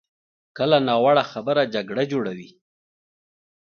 کله ناوړه خبره جګړه جوړوي.